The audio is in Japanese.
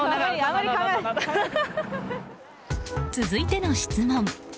続いての質問。